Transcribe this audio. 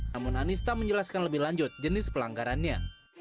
namun anis tak menjelaskan lebih lanjut jenis pelanggarannya